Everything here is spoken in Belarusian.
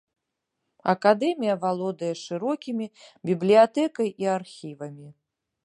Акадэмія валодае шырокімі бібліятэкай і архівамі.